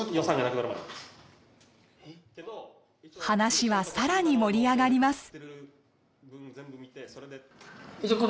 話はさらに盛り上がります。